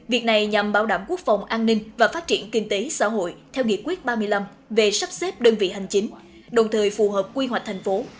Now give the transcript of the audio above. việc này nhằm bảo đảm quốc phòng an ninh và phát triển kinh tế xã hội theo nghị quyết ba mươi năm về sắp xếp đơn vị hành chính đồng thời phù hợp quy hoạch thành phố